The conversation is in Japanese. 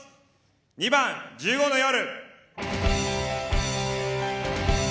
２番「１５の夜」。